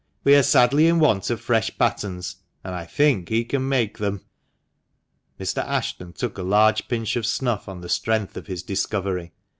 We are sadly in want of fresh patterns, and I think he can make them." Mr. Ashton took a large pinch of snuff on the strength of his discovery.